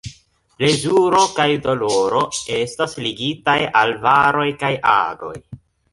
Plezuro kaj doloro estas ligitaj al varoj kaj agoj.